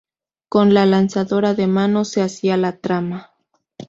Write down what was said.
Con la lanzadora de mano se hacía la trama.